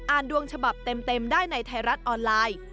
ดวงฉบับเต็มได้ในไทยรัฐออนไลน์